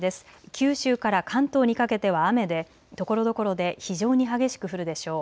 九州から関東にかけては雨でところどころで非常に激しく降るでしょう。